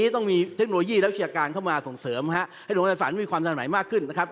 ต้องมีเทคโนโลยีแลึกเชี่ยการเข้ามาส่งเสริมให้ดวงประชาชนมีความสนับใหม่มากขึ้นนะครับ